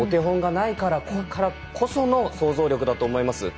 お手本がないからこその想像力だと思います。